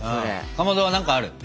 かまどは何かあるの？